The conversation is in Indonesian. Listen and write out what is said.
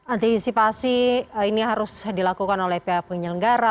antisipasi ini harus dilakukan oleh pihak penyelenggara